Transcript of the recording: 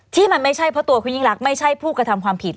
ที่มันไม่ใช่เพราะตัวคุณยิ่งรักไม่ใช่ผู้กระทำความผิด